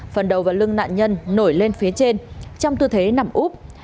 phần đầu và lưng nạn nhân nổi lên phía trên trong tư thế nằm úp